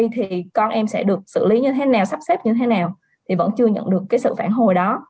thì con em sẽ được xử lý như thế nào sắp xếp như thế nào thì vẫn chưa nhận được cái sự phản hồi đó